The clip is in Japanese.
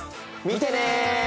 見てね！